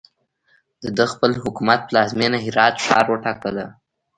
ده د خپل حکومت پلازمینه هرات ښار وټاکله.